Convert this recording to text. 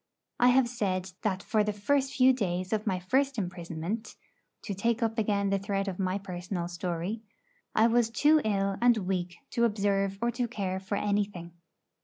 I have said that for the first few days of my first imprisonment to take up again the thread of my personal story I was too ill and weak to observe or to care for anything.